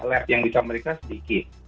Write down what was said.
lab yang bisa diperiksa sedikit